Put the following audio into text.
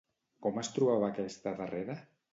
Com es trobava aquesta darrera?